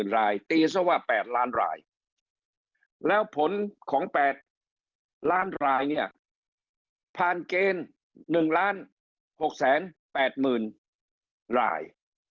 ๙๙๐๐๐๐รายตีเสียว่า๘ล้านรายแล้วผลของ๘ล้านรายเนี่ยผ่านเกณฑ์๑ล้าน๖๘๐๐๐๐ราย